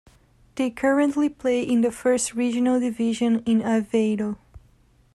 They currently play in the First Regional Division in Aveiro.